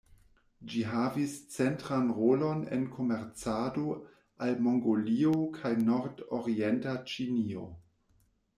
Ĝi havis centran rolon en komercado al Mongolio kaj Nordorienta Ĉinio.